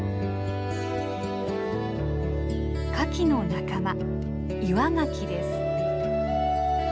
カキの仲間イワガキです。